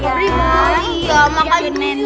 jadi nenek yang paling ganteng